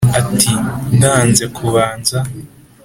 ati: “ndanze kubanza